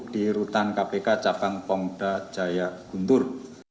di rutan kpk cabang pongda jaya guntur